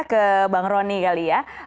ke bang roni kali ya